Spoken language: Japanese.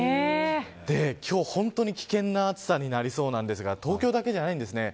今日、本当に危険な暑さになりそうなんですが東京だけじゃないんですね。